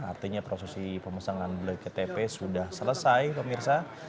artinya prosesi pemesangan bktp sudah selesai pemirsa